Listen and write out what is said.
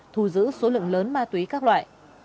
thu giữ số lượng lớn ma túy các loại